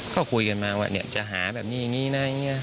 ก็คุยกันมาว่าจะหาแบบนี้อย่างนี้นะอย่างนี้